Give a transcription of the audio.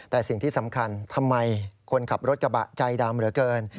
แต่สิ่งที่สำคัญทำไมคนขับรถกระบะใจดำเหลือเกิน